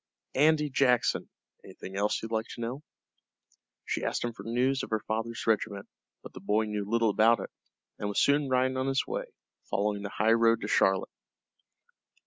"Andy Jackson. Anythin' else you'd like to know?" She asked him for news of her father's regiment, but the boy knew little about it, and was soon riding on his way, following the highroad to Charlotte.